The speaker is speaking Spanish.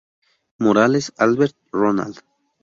Morales, Albert Ronald.